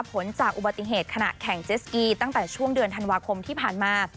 ผลจากอุบัติเหตุขณะแข่งเจสกีตั้งแต่ช่วงเดือนธันวาคมที่ผ่านมา